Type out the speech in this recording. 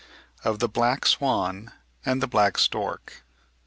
of the black swan, and the black stork.